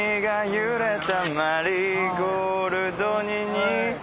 「揺れたマリーゴールドに似てる」